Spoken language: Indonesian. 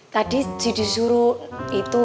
tadi disuruh itu